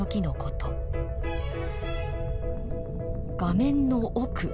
画面の奥。